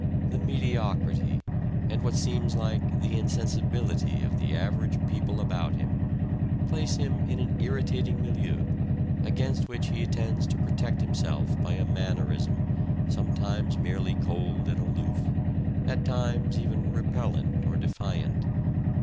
The mediocrity, and what seems like the insensibility of the average people about him, place him in an irritating milieu, against which he tends to protect himself by a mannerism, sometimes merely cold and aloof, at times even repellent or defiant.